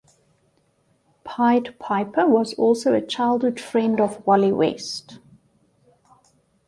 Pied Piper was also a childhood friend of Wally West.